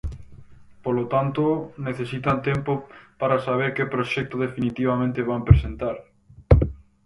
Polo tanto, necesitan tempo para saber que proxecto definitivamente van presentar.